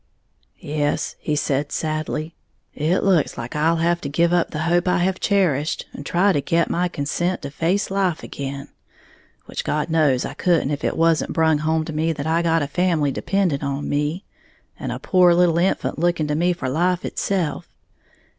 "Yes," he said sadly, "it looks like I'll have to give up the hope I have cherished, and try to get my consent to face life again; which God knows I couldn't if it wasn't brung home to me that I got a family depending on me, and a pore little infant looking to me for life itself.